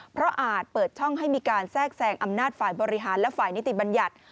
เพราะอาจเปิดช่องให้มีการแทรกแซงอำนาจฝ่ายบริหารและฝ่ายนิติบัญญัติ